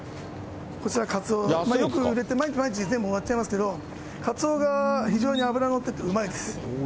こちらカツオ、よく売れて、毎日毎日、全部終わっちゃいますけど、カツオが非常に脂乗っててうまいです。